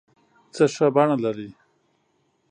څه ښه بڼه لرې